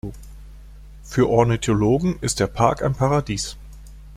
Für Ornithologen ist der Park ein Paradies.